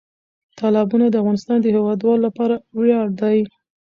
تالابونه د افغانستان د هیوادوالو لپاره ویاړ دی.